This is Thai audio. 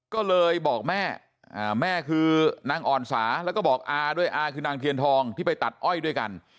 ก็เลยบอกแม่แม่คือนางอ่อนสาแล้วก็บอกอาด้วยอาคือนางเทียนทองที่ไปตัดอ้อยด้วยกัน